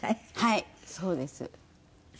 はいそうです。